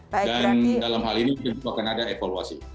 dan dalam hal ini tentu akan ada evaluasi